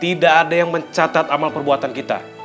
tidak ada yang mencatat amal perbuatan kita